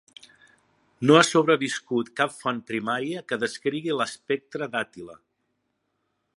No ha sobreviscut cap font primària que descrigui l'aspecte d'Àtila.